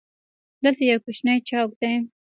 دلته یو کوچنی چوک دی.